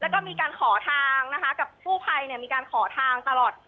แล้วก็มีการขอทางนะคะกับกู้ภัยมีการขอทางตลอด